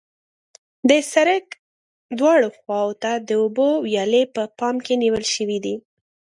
د سرک دواړو خواو ته د اوبو ویالې په پام کې نیول شوې دي